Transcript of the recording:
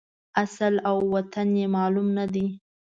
اصل او وطن یې معلوم نه دی.